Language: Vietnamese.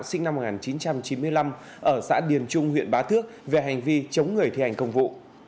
sinh năm một nghìn chín trăm chín mươi năm ở xã điền trung huyện bá thước về hành vi chống người thi hành công vụ